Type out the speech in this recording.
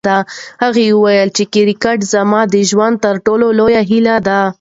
هغه وویل چې کرکټ زما د ژوند تر ټولو لویه هیله ده.